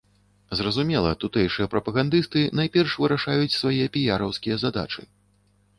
Зразумела, тутэйшыя прапагандысты найперш вырашаюць свае піяраўскія задачы.